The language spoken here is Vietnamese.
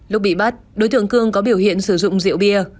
lúc bị bắt đối tượng cương có biểu hiện sử dụng rượu bia